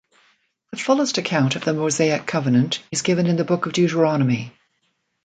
The fullest account of the Mosaic covenant is given in the book of Deuteronomy.